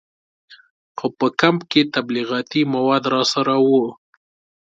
خو په کمپ کې تبلیغاتي مواد راسره وو.